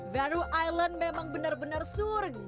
faroe island memang benar benar surga di bumi